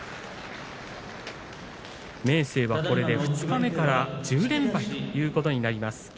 明生はこれで二日目から１０連敗ということになります。